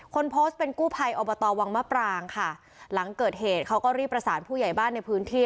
คนโพสต์เป็นกู้ภัยอบตวังมะปรางค่ะหลังเกิดเหตุเขาก็รีบประสานผู้ใหญ่บ้านในพื้นที่